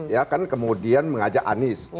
ya kan kemudian mengajak anies